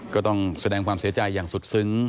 ก็ต้องแสดงความเสียใจอย่างสุดซึ้ง